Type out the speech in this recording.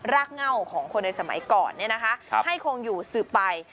รากเง่าของคนในสมัยก่อนให้คงอยู่สืบไป